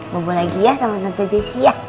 bobo lagi ya sama tante jessy ya